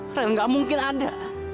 aurel gak mungkin ada